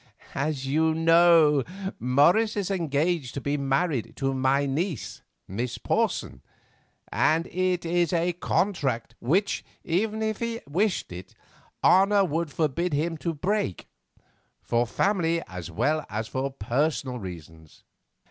As you know, Morris is engaged to be married to my niece, Miss Porson, and it is a contract which, even if he wished it, honour would forbid him to break, for family as well as for personal reasons."